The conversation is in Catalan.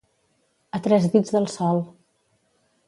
A tres dits del sol.